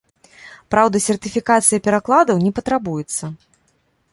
Праўда, сертыфікацыя перакладаў не патрабуецца.